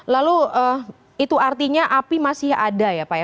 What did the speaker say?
lalu itu artinya api masih ada